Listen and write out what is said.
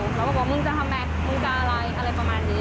เขาก็บอกมึงจะทำไมมึงจะอะไรอะไรประมาณนี้